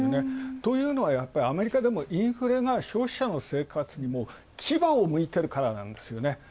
というのは、アメリカでもインフレが消費者の生活にきばを向いているからなんです。